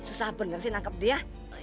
susah bener sih nangkep dia